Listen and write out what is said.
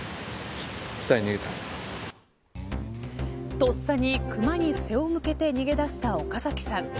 とっさに熊に背を向けて逃げ出した岡崎さん。